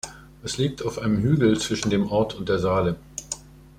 Es liegt auf einem Hügel zwischen dem Ort und der Saale.